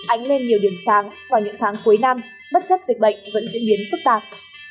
ánh lên nhiều điểm sáng vào những tháng cuối năm bất chấp dịch bệnh vẫn diễn biến phức tạp